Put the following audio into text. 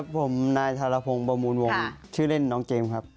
ผมนรรพบรรมูลวงชื่อเล่นน้องเจมส์ครับ